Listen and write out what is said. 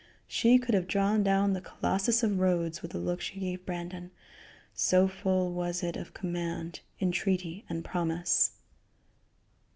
She could have drawn down the Colossus of Rhodes with the look she gave Brandon, so full was it of command, entreaty and promise.